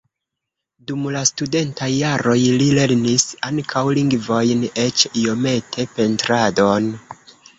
Dum la studentaj jaroj li lernis ankaŭ lingvojn, eĉ iomete pentradon.